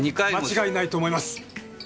間違いないと思います！